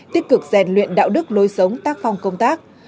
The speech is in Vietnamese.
tích cực rèn luyện đạo đức lối sống tác phong công tác